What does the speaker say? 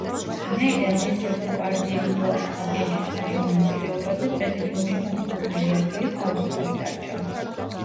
ვინაიდან ესერთა პარტიამ უარი თქვა კენჭისყრაში მონაწილეობაზე, პრეზიდიუმში მათი კუთვნილი ადგილი თავისუფალი დარჩა.